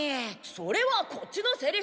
それはこっちのセリフ！